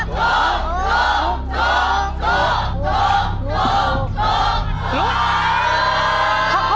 ถูก